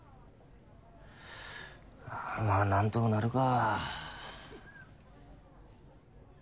まあなんとかなるか。